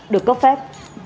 được cấp phép